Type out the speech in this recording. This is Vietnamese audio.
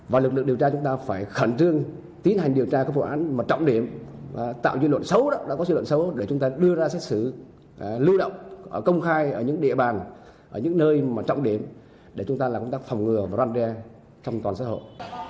và lực lượng điều tra chúng ta phải khẩn trương tiến hành điều tra các vụ án mà trọng điểm tạo dư luận xấu đó đã có dư luận xấu để chúng ta đưa ra xét xử lưu động công khai ở những địa bàn ở những nơi mà trọng điểm để chúng ta làm công tác phòng ngừa và răn đe trong toàn xã hội